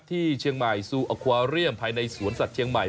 ที่เชียงใหม่ซูอควาเรียมภายในสวนสัตว์เชียงใหม่